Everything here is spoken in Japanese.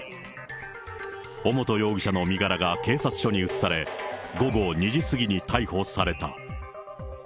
尾本容疑者の身柄が警察署に移され、午後２時過ぎに逮捕された。